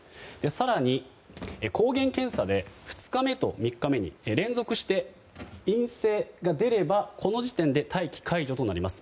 更に抗原検査で２日目と３日目に連続して陰性が出ればこの時点で待機解除となります。